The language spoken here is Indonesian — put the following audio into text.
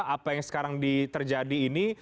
apa yang sekarang terjadi ini